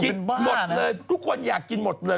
คุณเป็นบ้านะกินหมดเลยทุกคนอยากกินหมดเลย